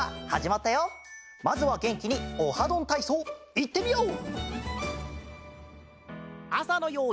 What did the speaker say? まずはげんきに「オハどんたいそう」いってみよう！